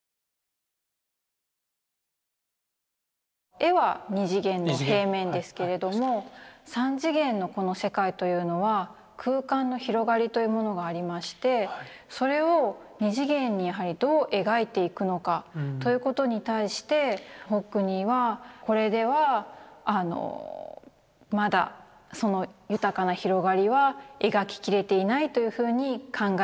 絵は２次元の平面ですけれども３次元のこの世界というのは空間の広がりというものがありましてそれを２次元にやはりどう描いていくのかということに対してホックニーはこれではまだその豊かな広がりは描き切れていないというふうに考えるようにどんどんなっていくんです。